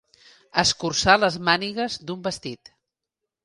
Escurçar les mànigues d'un vestit.